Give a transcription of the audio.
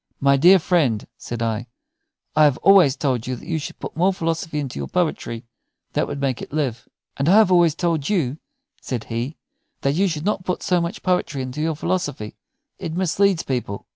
"My dear friend," said I, "I have always told you that you should put more philosophy into your poetry. That would make it live." "And I have always told you," said he, "that you should not put so much poetry into your philosophy. It misleads people."